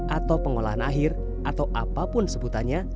atau pengolahan akhir atau apapun sebutannya